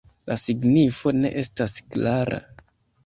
La signifo ne estas klara.